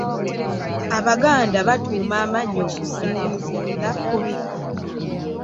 abaganda batuuma amannya okusinziira ku bikka.